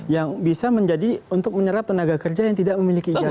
yang bisa menjadi untuk menyerap tenaga kerja yang tidak memiliki izin